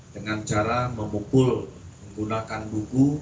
dengan cara memukul menggunakan buku